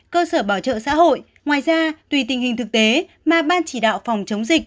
cơ sở bảo trợ xã hội ngoài ra tùy tình hình thực tế mà ban chỉ đạo phòng chống dịch